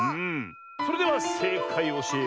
それではせいかいをおしえよう。